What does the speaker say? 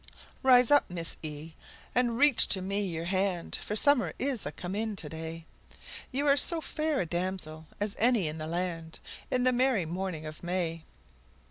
Rise up, Miss , and reach to me your hand For summer is a come in to day; You are so fair a damsel as any in the land, In the merry morning of May!